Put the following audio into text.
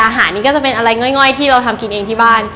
อาหารนี้ก็จะเป็นอะไรง่อยที่เราทำกินเองที่บ้าน